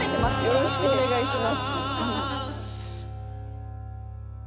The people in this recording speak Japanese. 「“よろしくお願いします”」